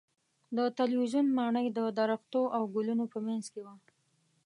د تلویزیون ماڼۍ د درختو او ګلونو په منځ کې وه.